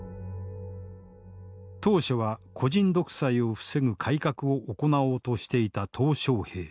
当初は個人独裁を防ぐ改革を行おうとしていた小平。